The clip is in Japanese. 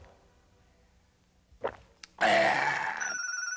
ああ。